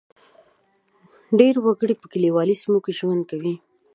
ډېری وګړي په کلیوالي سیمو کې ژوند کوي.